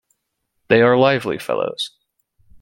They are lively fellows.